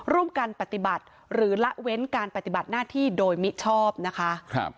ร่วมกันปฏิบัติหรือละเว้นการปฏิบัติหน้าที่โดยมิชอบนะคะ